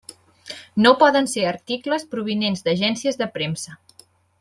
No poden ser articles provinents d'agències de premsa.